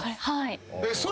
はい。